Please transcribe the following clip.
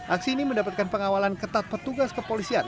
aksi ini mendapatkan pengawalan ketat petugas kepolisian